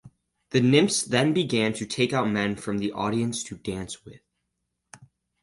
The nymphs then began to take out men from the audience to dance with.